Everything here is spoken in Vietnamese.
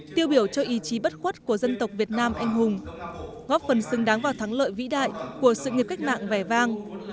tiêu biểu cho ý chí bất khuất của dân tộc việt nam anh hùng góp phần xứng đáng vào thắng lợi vĩ đại của sự nghiệp cách mạng vẻ vang